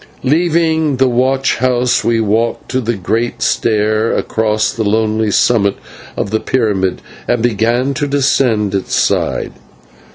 Leaving the watch house we walked to the great stair across the lonely summit of the pyramid and began to descend its side.